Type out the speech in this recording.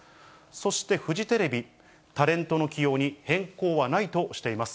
そしてフジテレビ、タレントの起用に変更はないとしています。